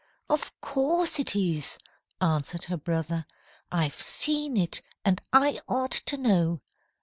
"Of course it is," answered her brother. "I've seen it, and I ought to know.